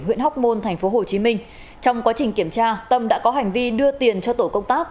huyện hóc môn thành phố hồ chí minh trong quá trình kiểm tra tâm đã có hành vi đưa tiền cho tổ công tác